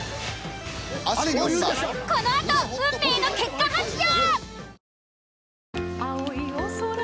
このあと運命の結果発表。